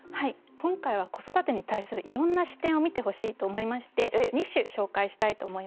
今回は「子育て」に対するいろんな視点を見てほしいと思いまして２首紹介したいと思います。